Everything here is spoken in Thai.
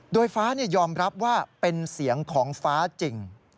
โดยฟ้ายอมรับว่าเป็นเสียงของฟ้าจริง